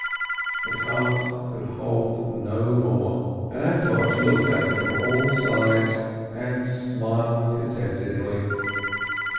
The cart could hold no more, and Antosh looked at it from all sides, and smiled con tentedly.